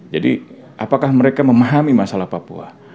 jadi apakah mereka memahami masalah papua